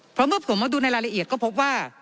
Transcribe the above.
เพราะเมื่อผมมาดูในรายละเอียดก็พบว่า